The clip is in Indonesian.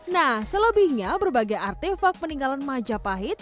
nah selebihnya berbagai artefak peninggalan majapahit